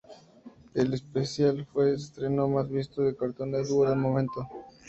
El especial fue el estreno más visto de Cartoon Network en el momento.